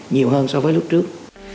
nhiều hơn so với lúc trước